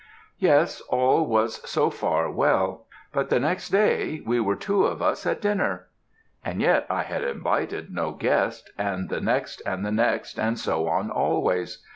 "'Yes, all was so far well; but the next day we were two of us at dinner! And yet I had invited no guest; and the next and the next, and so on always!